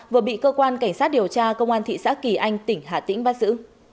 vừa bị cơ quan cảnh sát điều tra công an thị xã kỳ anh tỉnh hà tĩnh bắt giữ